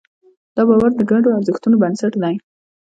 دا باور د ګډو ارزښتونو بنسټ دی.